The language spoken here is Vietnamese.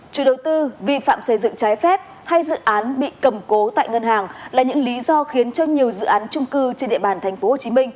chủ đầu tư vi phạm xây dựng trái phép hay dự án bị cầm cố tại ngân hàng là những lý do khiến cho nhiều dự án trung cư trên địa bàn tp hcm